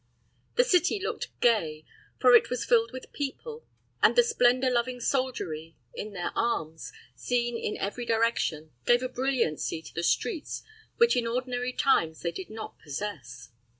The city looked gay, for it was filled with people; and the splendor loving soldiery, in their arms, seen in every direction, gave a brilliancy to the streets which in ordinary times they did not possess.